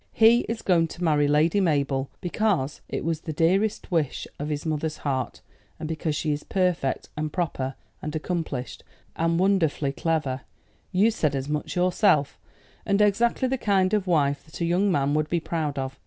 He is going to marry Lady Mabel because it was the dearest wish of his mother's heart, and because she is perfect, and proper, and accomplished, and wonderfully clever you said as much yourself and exactly the kind of wife that a young man would be proud of.